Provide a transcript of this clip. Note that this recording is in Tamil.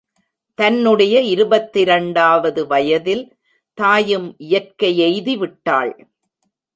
தன்னுடைய இருபத்திரண்டாவது வயதில் தாயும் இயற்கையெய்திவிட்டாள்.